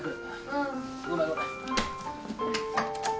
うん。ごめんごめん。